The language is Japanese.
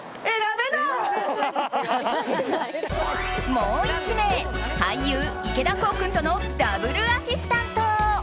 もう１名、俳優・池田航君とのダブルアシスタント！